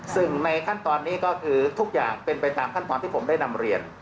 ซึ่งในขั้นตอนนี้ก็คือทุกอย่างเป็นไปตามขั้นตอนที่ผมได้นำเรียน